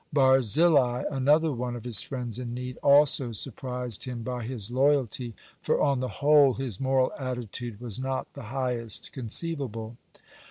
(102) Barzillai, another one of his friends in need, also surprised him by his loyalty, for on the whole his moral attitude was not the highest conceivable.